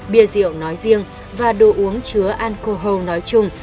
bia rượu nói riêng và đồ uống chứa alcohol nói chung